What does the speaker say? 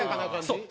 そう！